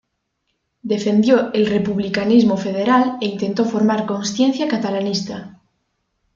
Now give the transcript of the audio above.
Defendió el republicanismo federal e intentó formar consciencia catalanista.